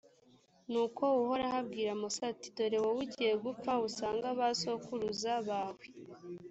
nuko uhoraho abwira musa ati dore wowe ugiye gupfa, usange abasogokuruza bawe.